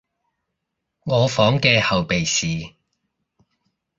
我房嘅後備匙